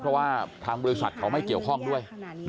เพราะว่าทางบริษัทเขาไม่เกี่ยวข้องด้วย